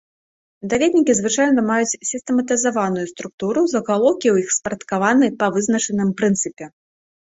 Даведнікі звычайна маюць сістэматызаваную структуру, загалоўкі ў іх спарадкаваны па вызначаным прынцыпе.